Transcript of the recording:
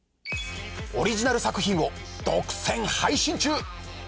オリジナル作品を独占配信中！